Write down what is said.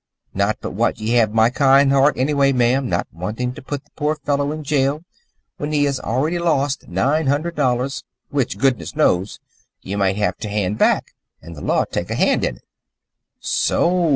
Not but what ye have a kind heart anyway, ma'am, not wantin' t' put th' poor fellow in jail whin he has already lost nine hundred dollars, which, goodness knows, ye might have t' hand back, was th' law t' take a hand in it." "So!"